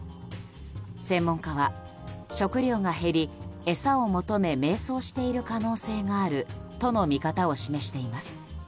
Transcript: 専門家は食料が減り、餌を求め迷走している可能性があるとの見方を示しています。